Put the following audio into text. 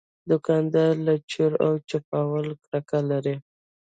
دوکاندار له چور او چپاول کرکه لري.